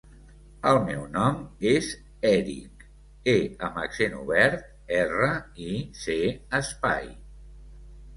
El meu nom és Èric : e amb accent obert, erra, i, ce, espai.